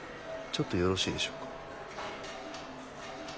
ちょっとよろしいでしょうか？